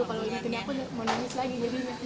kalau ngerti aku mau nulis lagi ya